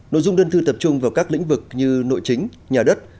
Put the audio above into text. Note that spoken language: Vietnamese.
nội dung đơn thư tập trung vào các lĩnh vực như nội chính nhà đất